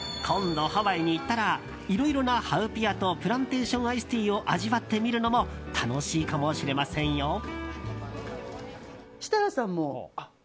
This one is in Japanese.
今度、ハワイに行ったらいろいろなハウピアとプランテーションアイスティーを味わってみるのも楽しいかもしれませんよ。